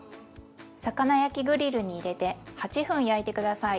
魚焼きグリルに入れて８分焼いて下さい。